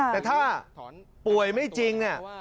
แต่ถ้าป่วยไม่จริง